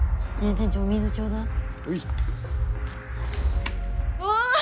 店長お水ちょうだいういおぉ